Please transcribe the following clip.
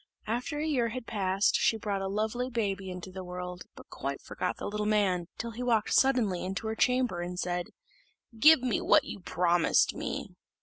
After a year had passed she brought a lovely baby into the world, but quite forgot the little man, till he walked suddenly into her chamber, and said, "Give me what you promised me."